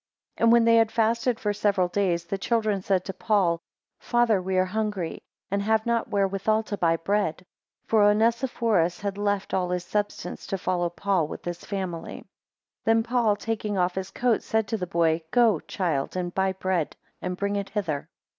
2 And when they had fasted for several days, the children said to Paul, Father, we are hungry, and have not wherewithal to buy bread; for Onesiphorus had left all his substance to follow Paul with his family. 3 Then Paul, taking off his coat, said to the boy, Go, child, and buy bread, and bring it hither.